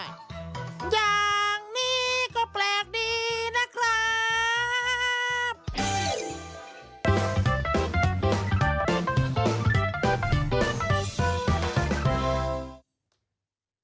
อย่างนี้ก็แปลกดีนะครับ